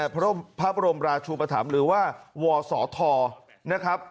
พระบรมราชูปธรรมหรือว่าวศธนะครับ